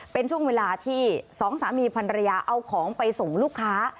เป็นช่วงเวลาที่สองสามีพันรยาเอาของไปส่งลูกค้า